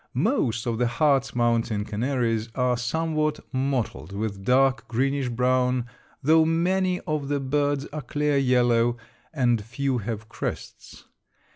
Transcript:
Most of the Hartz Mountain canaries are somewhat mottled with dark, greenish brown, though many of the birds are clear yellow, and few have crests.